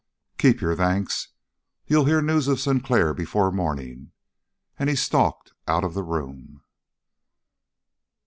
"Keep your thanks. You'll hear news of Sinclair before morning." And he stalked out of the room.